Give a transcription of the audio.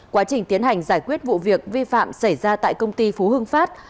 quá trình tiến hành giải quyết vụ việc vi phạm xảy ra tại công ty phú hưng phát